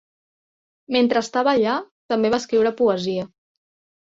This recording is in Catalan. Mentre estava allà, també va escriure poesia.